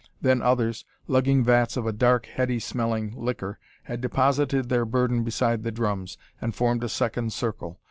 Then others, lugging vats of a dark, heady smelling liquor, had deposited their burden beside the drums, and formed a second circle.